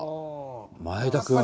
前田君。